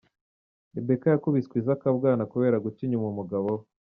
Rebecca yakubiswe iza akabwana kubera guca inyuma umugabo we.